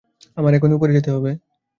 আমার এখনই উপরে যেতে হবে।